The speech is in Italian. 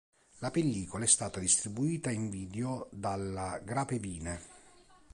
La pellicola è stata distribuita in video dalla Grapevine.